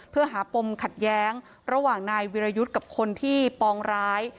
เพื่อหาปมขัดแย้งระหว่างนายวิรยุทธ์กับคนที่ปองร้าย